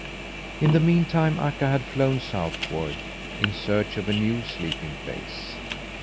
In the meantime Akka had flown southward in search of a new sleeping place.